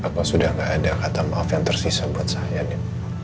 apa sudah gak ada kata maaf yang tersisa buat saya nih